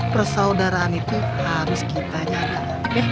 persaudaraan itu harus kita jaga